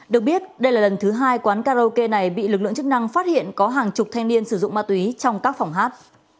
được biết đây là lần thứ hai quán karaoke này bị lực lượng chức năng phát hiện có hàng chục thanh niên sử dụng ma túy trong các phòng hát